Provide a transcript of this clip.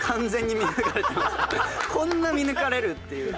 こんな見抜かれるっていう。